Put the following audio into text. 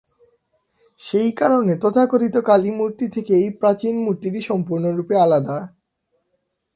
সেই কারণে তথাকথিত কালী মূর্তি থেকে এটি প্রাচীন মূর্তিটি সম্পূর্ণরূপে আলাদা।